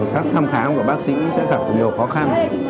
các thăm khám của bác sĩ sẽ gặp nhiều khó khăn